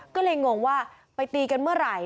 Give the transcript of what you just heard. ก็เลยงงว่าไปตีกันเมื่อไหร่